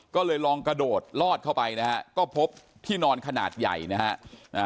ก็เลยลองกระโดดลอดเข้าไปนะฮะก็พบที่นอนขนาดใหญ่นะฮะ